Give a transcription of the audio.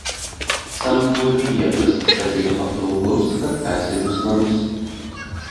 Sambūrių vietose statydavo ilgus karkasinius namus.